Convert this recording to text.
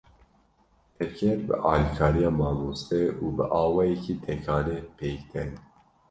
Tevger bi alîkariya mamoste û bi awayekî tekane, pêk tên.